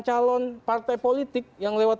calon partai politik yang lewat